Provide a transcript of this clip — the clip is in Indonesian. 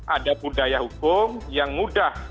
ada budaya hukum yang mudah